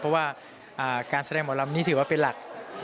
เพราะว่าการแสดงหมอลำนี้ถือว่าเป็นหลัก